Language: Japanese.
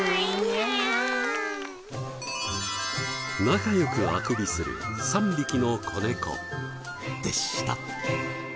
仲良くあくびする３匹の子猫でした。